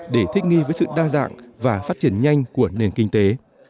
để thích nghi với sự đa dạng và phát triển nhanh của nền kinh tế